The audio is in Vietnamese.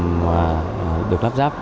mà được lắp dắp